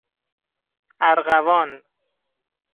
ارغوان